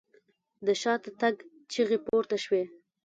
د شاته تګ چيغې پورته شوې.